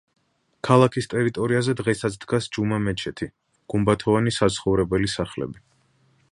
ქალაქის ტერიტორიაზე დღესაც დგას ჯუმა-მეჩეთი, გუმბათოვანი საცხოვრებელი სახლები.